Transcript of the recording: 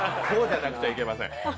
こうじゃなくちゃいけません。